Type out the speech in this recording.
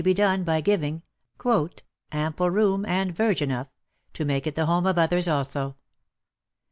be done by giving " Ample room, and verge enough," to make it the home of others also.